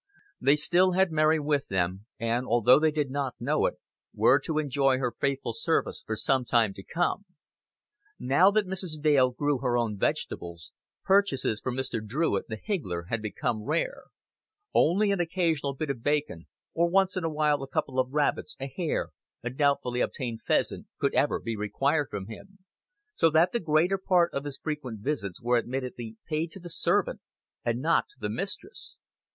They still had Mary with them, and, although they did not know it, were to enjoy her faithful service for some time to come. Now that Mrs. Dale grew her own vegetables, purchases from Mr. Druitt, the higgler, had become rare; only an occasional bit of bacon, or once in a way a couple of rabbits, a hare, a doubtfully obtained pheasant, could ever be required from him; so that the greater part of his frequent visits were admittedly paid to the servant and not to the mistress.